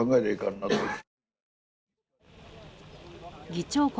議長国